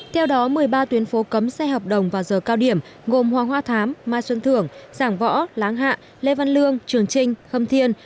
theo đó một mươi ba tuyến phố cấm xe hợp đồng vào giờ cao điểm gồm hoàng hoa thám mai xuân thưởng giảng võ láng hạ lê văn lương trường trinh khâm thiên